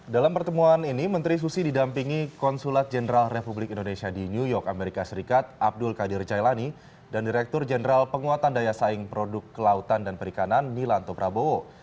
dalam pertemuan ini menteri susi didampingi konsulat jenderal republik indonesia di new york amerika serikat abdul qadir cailani dan direktur jenderal penguatan daya saing produk kelautan dan perikanan nilanto prabowo